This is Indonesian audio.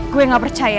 gue gak percaya